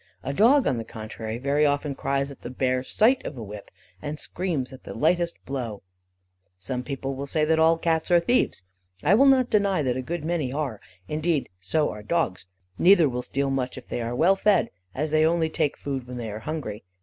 A dog on the contrary, very often cries at the bare sight of the whip, and screams at the lightest blow. Some people say all Cats are thieves. I will not deny that a good many are: indeed, so are dogs. Neither will steal much if they are well fed, as they only take food when they are hungry.